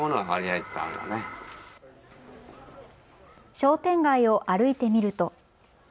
商店街を歩いてみると。